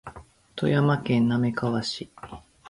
富山県滑川市